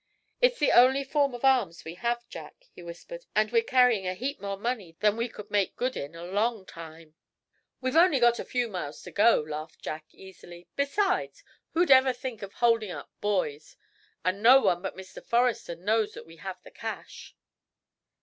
"It's the only form of arms we have, Jack," he whispered, "and we're carrying a heap more money than we could make good in a long time." "We've got only a few miles to go," laughed Jack, easily. "Besides who'd ever think of holding up boys? And no one but Mr. Forrester knows that we have the cash."